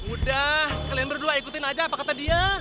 udah kalian berdua ikutin aja apa kata dia